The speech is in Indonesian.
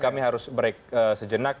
kami harus break sejenak